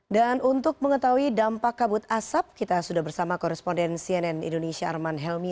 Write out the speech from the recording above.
dan untuk mengetahui dampak kabut asap kita sudah bersama koresponden cnn indonesia arman helmy